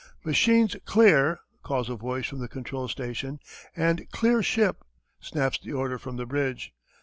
"Machines clear," calls a voice from the control station and "Clear ship," snaps the order from the bridge.